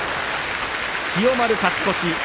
千代丸、勝ち越し。